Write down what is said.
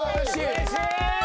うれしい！